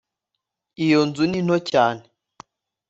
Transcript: iyo nzu ni nto cyane